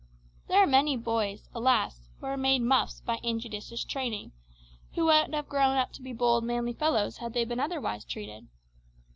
There are many boys, alas! who are made muffs by injudicious training, who would have grown up to be bold, manly fellows had they been otherwise treated.